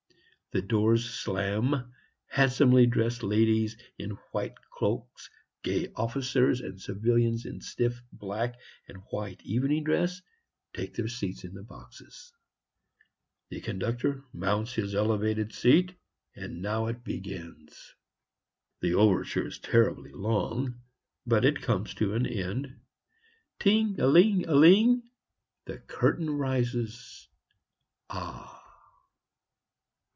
The doors slam; handsomely dressed ladies, in white cloaks, gay officers, and civilians in stiff black and white evening dress take their seats in the boxes. The conductor mounts his elevated seat and now it begins. The overture is terribly long, but it comes to an end. Ting aling aling, the curtain rises. Ah!